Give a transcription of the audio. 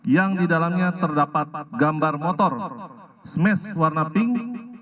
yang di dalamnya terdapat gambar motor smash warna pink